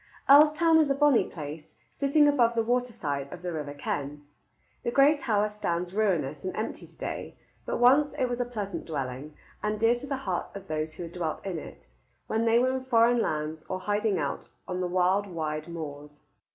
Earlstoun is a bonny place, sitting above the waterside of the river Ken. The gray tower stands ruinous and empty to day, but once it was a pleasant dwelling, and dear to the hearts of those who had dwelt in it, when they were in foreign lands or hiding out on the wild wide moors.